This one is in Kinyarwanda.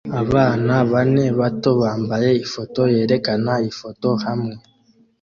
Abana bane bato bambaye ifoto yerekana ifoto hamwe